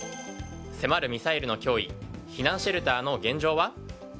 迫るミサイルの脅威避難シェルターの現状は。